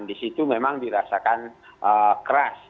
di situ memang dirasakan keras